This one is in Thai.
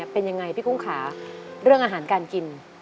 เป็นยังไงพี่กุ้งค่ะเรื่องอาหารการกิน